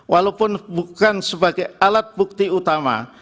walaupun bukan sebagai alat bukti utama